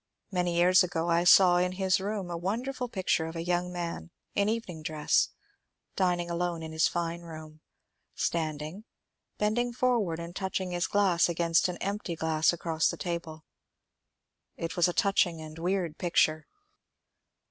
Many years ago I saw in his room a wonderful picture of a young man in evening dress dining alone in his fine room, standing, bending forward and touch ing his glass against an empty glass across the table. It was a touching and weird picture.